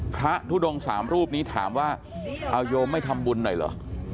ทุดงสามรูปนี้ถามว่าเอาโยมไม่ทำบุญหน่อยเหรอ